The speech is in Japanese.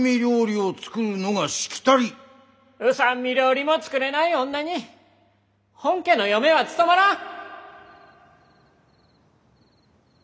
御三味料理も作れない女に本家の嫁は務まらん！